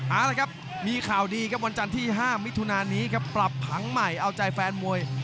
เอาละครับมีข่าวดีครับวันจันทร์ที่๕มิถุนานี้ครับปรับผังใหม่เอาใจแฟนมวย